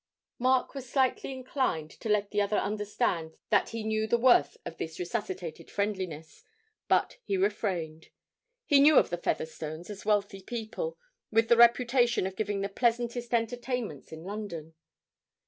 Mark was slightly inclined to let the other understand that he knew the worth of this resuscitated friendliness, but he refrained. He knew of the Featherstones as wealthy people, with the reputation of giving the pleasantest entertainments in London.